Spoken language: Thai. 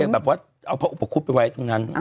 ก็เลยแบบว่าเอาอุปกรุ๊ปไปไว้อย่างนั้น